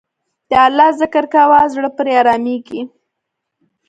د الله ذکر کوه، زړه پرې آرامیږي.